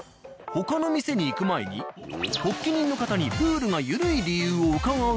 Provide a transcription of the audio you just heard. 他の店に行く前に発起人の方にルールがゆるい理由を伺うと。